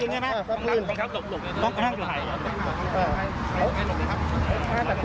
ยิงกี่นัด